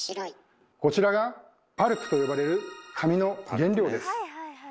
こちらが「パルプ」と呼ばれる紙の原料です。